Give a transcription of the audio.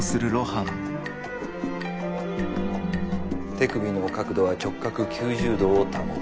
手首の角度は直角９０°を保つ。